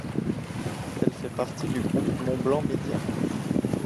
Elle fait partie du groupe Mont Blanc Médias.